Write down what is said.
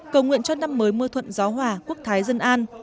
cầu nguyện cho năm mới mưa thuận gió hòa quốc thái dân an